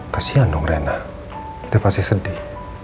kasian dong rena dia pasti sedih